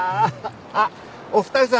あっお二人さん